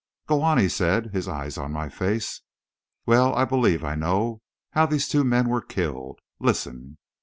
"Go on," he said, his eyes on my face. "Well, I believe I know how these two men were killed. Listen."